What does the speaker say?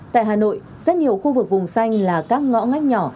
tại hà nội rất nhiều khu vực vùng xanh là các ngõ ngách nhỏ